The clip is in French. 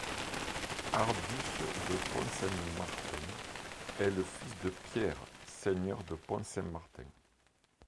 Arduce de Pont-Saint-Martin est le fils de Pierre seigneur de Pont-Saint-Martin.